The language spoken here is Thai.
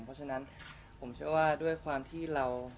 เพราะฉะนั้นผมเชื่อว่าด้วยความที่เรา